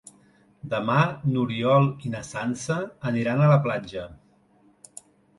Demà n'Oriol i na Sança aniran a la platja.